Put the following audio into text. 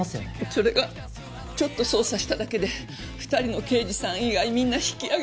それがちょっと捜査しただけで２人の刑事さん以外みんな引き揚げてしまって。